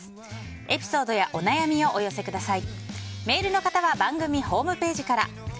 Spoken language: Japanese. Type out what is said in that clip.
エピソードやお悩みをお寄せください。